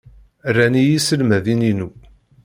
Ran-iyi yiselmaden-inu.